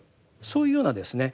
そういうようなですね